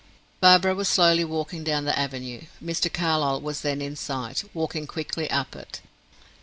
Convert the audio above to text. Barbara was slowly walking down the avenue, Mr. Carlyle was then in sight, walking quickly up it.